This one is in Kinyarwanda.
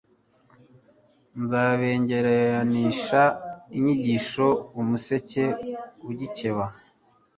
nzabengeranisha inyigisho umuseke ugikeba